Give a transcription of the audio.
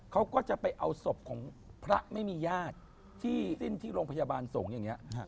เขาก็จะไปเอาศพของพระไม่มีญาติที่ที่โรงพยาบาลส่งอย่างเงี้ยครับ